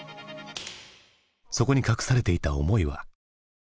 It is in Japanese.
そこに隠されていた思いは？